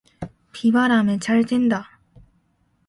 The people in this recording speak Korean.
비바람에 잘 된다.